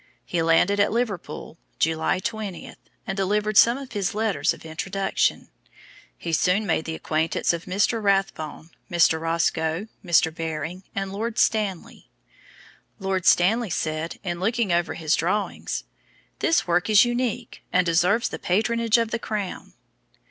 He landed at Liverpool, July 20, and delivered some of his letters of introduction. He soon made the acquaintance of Mr. Rathbone, Mr. Roscoe, Mr. Baring, and Lord Stanley. Lord Stanley said in looking over his drawings: "This work is unique, and deserves the patronage of the Crown."